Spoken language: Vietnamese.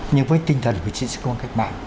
nhưng với tinh thần của chính sách công an cách mạng